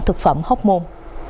thực phẩm hóc môn